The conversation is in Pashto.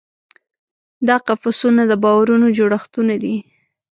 دا قفسونه د باورونو جوړښتونه دي.